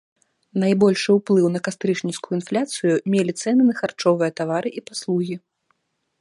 Найбольшы ўплыў на кастрычніцкую інфляцыю мелі цэны на харчовыя тавары і паслугі.